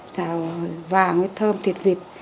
xào vàng với thơm thịt vịt